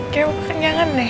kayaknya gue kekenjangan deh